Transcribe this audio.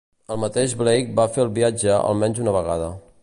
El mateix Blake va fer el viatge al menys una vegada.